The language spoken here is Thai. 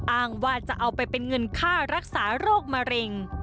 อ้างว่าจะเอาไปเป็นเงินค่ารักษาโรคมะเร็ง